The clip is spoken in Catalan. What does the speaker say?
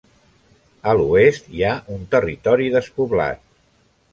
A l'oest hi ha un territori despoblat.